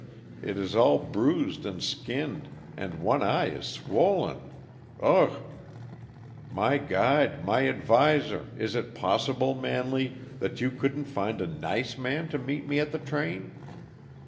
It is all bruised and skinned, and one eye is swollen ugh! My guide, my adviser is it possible, Manley, that you couldn't find a nice man to meet me at the train?"